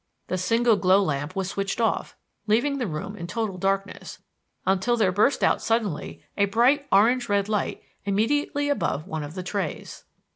The single glow lamp was switched off, leaving the room in total darkness until there burst out suddenly a bright orange red light immediately above one of the trays.